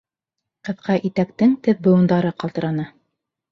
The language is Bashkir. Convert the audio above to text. Ҡыҫҡа итәктең теҙ быуындары ҡалтыраны.